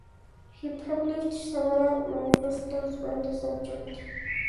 He published several manifestos on the subject.